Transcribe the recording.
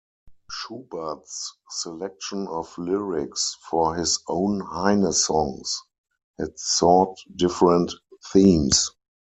Schubert's selection of lyrics for his own Heine songs had sought different themes.